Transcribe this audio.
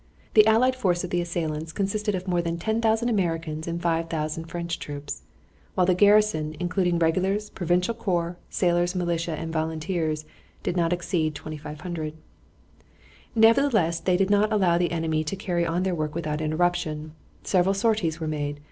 The allied force of the assailants consisted of more than 10,000 Americans and 5000 French troops, while the garrison, including regulars, provincial corps, sailors, militia, and volunteers, did not exceed 2500. Nevertheless, they did not allow the enemy to carry on their work without interruption. Several sorties were made.